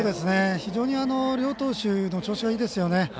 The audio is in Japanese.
非常に両投手の調子がいいですよね。